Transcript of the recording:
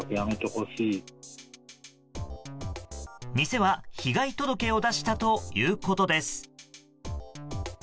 店は被害届を出したということです。